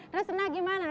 terus senang gimana